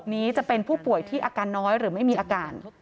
นี้จะเป็นผู้ป่วยที่อาการน้อยหรือไม่มีอาการ